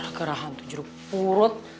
gara gara hantu jeruk purut